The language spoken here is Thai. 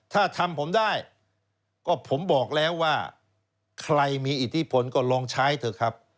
ถ้าทำผมได้ก็ผมบอกแล้วว่าใครมีอิทธิพลก็ลองใช้เถอะครับ